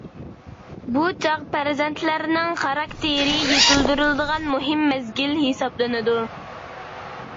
بۇ چاغ پەرزەنتلەرنىڭ خاراكتېر يېتىلدۈرىدىغان مۇھىم مەزگىل ھېسابلىنىدۇ.